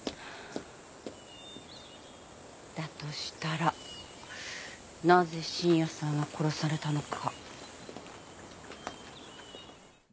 だとしたらなぜ信也さんは殺されたのか？